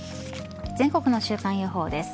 全国の週間予報です。